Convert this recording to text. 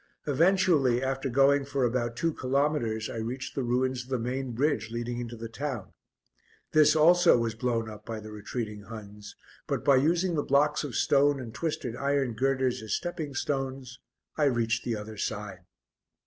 Eventually, after going for about two kilometres, I reached the ruins of the main bridge leading into the town. This, also, was blown up by the retreating Huns, but, by using the blocks of stone and twisted iron girders as "stepping stones," I reached the other side.